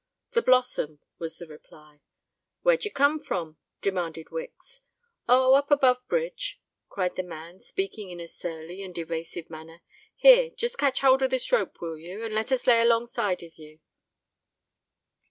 "The Blossom," was the reply. "Where d'ye come from?" demanded Wicks. "Oh! up above bridge," cried the man, speaking in a surly and evasive manner. "Here—just catch hold of this rope, will you—and let us lay alongside of you."